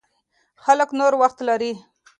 خلک نور وخت لري.